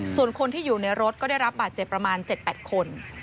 ส่วนคนที่อยู่ในรถก็ได้รับบาดเจ็บประมาณ๗๘คน